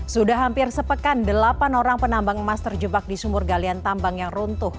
sudah hampir sepekan delapan orang penambang emas terjebak di sumur galian tambang yang runtuh